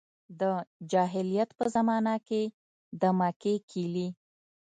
د جاهلیت په زمانه کې د مکې کیلي.